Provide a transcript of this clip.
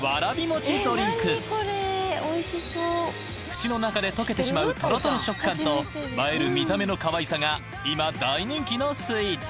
［口の中で溶けてしまうトロトロ食感と映える見た目のかわいさが今大人気のスイーツ］